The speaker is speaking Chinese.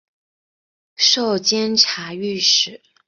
授监察御史。